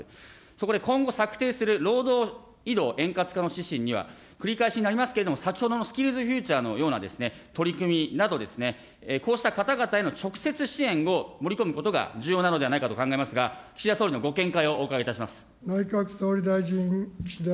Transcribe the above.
そこで今後、策定する労働移動円滑化の指針には、繰り返しになりますけれども、先ほどのスキルズフューチャーのような取り組みなど、こうした方々への直接支援を盛り込むことが重要なのではないかと考えますが、岸田総理大臣のご見解をお伺いいたします。